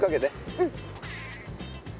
うん。